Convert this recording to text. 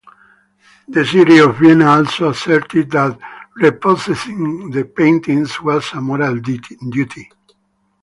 The city of Vienna also asserted that repossessing the paintings was a moral duty.